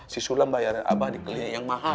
si sulam bayarin abah di klinik yang mahal